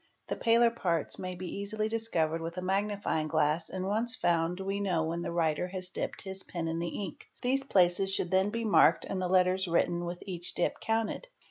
The paler parts may be easily discovered with a magnifying glass and once found we know when the writer has dipped his pen in the ink. These places should — then be marked and the letters written with each dip counted.